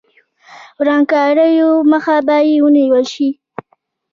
ورانکاریو مخه به یې ونیول شي.